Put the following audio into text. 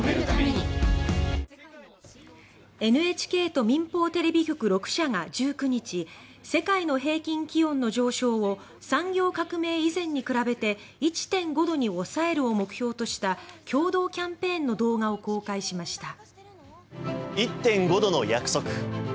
ＮＨＫと民放テレビ局６社が１９日世界の平均気温の上昇を産業革命以前に比べて１．５度に抑えるを目標とした共同キャンペーンの動画を公開しました。